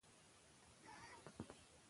د مور ملاتړ د کور نظم ساتي.